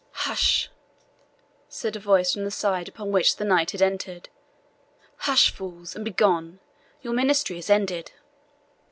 "Hush," said a voice from the side upon which the knight had entered "hush, fools, and begone; your ministry is ended."